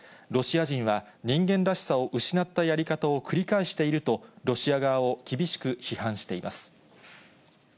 ロシア人は人間らしさを失ったやり方を繰り返していると、ロシア側を厳しく批判しています。